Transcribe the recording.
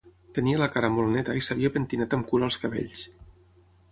Tenia la cara molt neta i s'havia pentinat amb cura els cabells